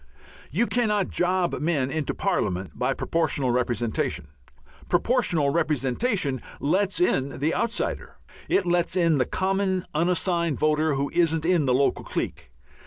You cannot job men into Parliament by Proportional Representation. Proportional Representation lets in the outsider. It lets in the common, unassigned voter who isn't in the local clique.